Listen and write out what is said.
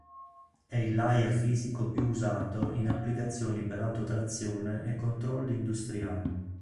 È il layer fisico più usato in applicazioni per autotrazione e controlli industriali.